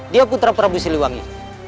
dia putra prabu siliwangi